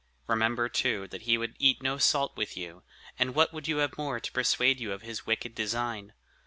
Remember, too, that he would eat no salt with you; and what would you have more to persuade you of his wicked design?